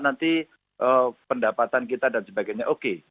nanti pendapatan kita dan sebagainya oke